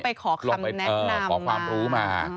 แต่เราก็ไปขอคำแนะนำมา